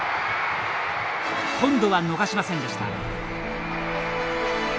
今度は逃しませんでした。